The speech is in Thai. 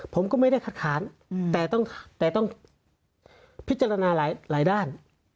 ผมก็ไม่ได้คัดค้านแต่ต้องพิจารณาหลายด้าน